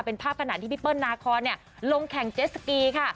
เป็นภาพขณะที่พี่เปิ้ลนาคอนลงแข่งเจสสกีค่ะ